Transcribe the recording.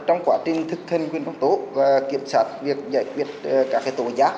trong quá trình thực hành quyền công tố và kiểm soát việc giải quyết các tổ giác